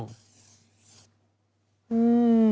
อืม